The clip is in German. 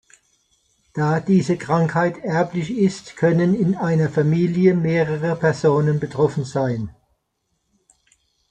Da diese Krankheit erblich ist, können in einer Familie mehrere Personen betroffen sein.